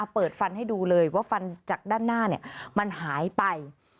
เปิดฟันให้ดูเลยว่าฟันจากด้านหน้ามันหายไป